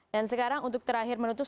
dan sekarang untuk terakhir menutup